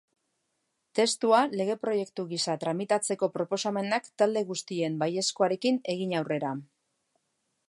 Testua lege proiektu gisa tramitatzeko proposamenak talde guztien baiezkoarekin egin aurrera.